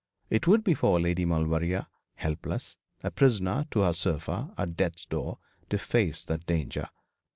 It would be for Lady Maulevrier, helpless, a prisoner to her sofa, at death's door, to face that danger.